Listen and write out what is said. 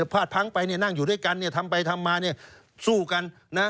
พาดพังไปนั่งอยู่ด้วยกันทำไปทำมาสู้กัน